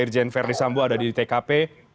yang terambu ada di tkp